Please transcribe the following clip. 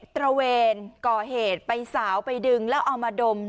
ตระเวนก่อเหตุไปสาวไปดึงแล้วเอามาดม